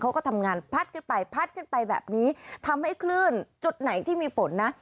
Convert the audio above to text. เขาก็ทำงานพัดขึ้นไปพัดขึ้นไปแบบนี้ทำให้คลื่นจุดไหนที่มีฝนนะ